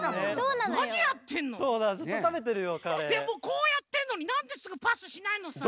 こうやってるのになんですぐパスしないのさ？